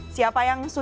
siapa yang sudah kelas